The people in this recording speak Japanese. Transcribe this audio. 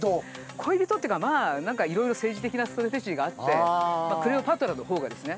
恋人っていうか何かいろいろ政治的なストラテジーがあってまあクレオパトラのほうがですね。